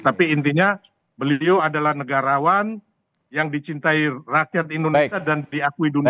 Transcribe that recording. tapi intinya beliau adalah negarawan yang dicintai rakyat indonesia dan diakui dunia